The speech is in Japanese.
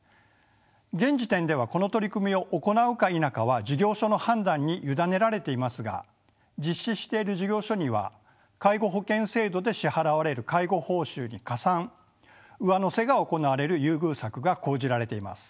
現時点ではこの取り組みを行うか否かは事業所の判断に委ねられていますが実施している事業所には介護保険制度で支払われる介護報酬に加算・上乗せが行われる優遇策が講じられています。